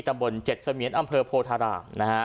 ตำบล๗เสมียนอำเภอโพธารามนะฮะ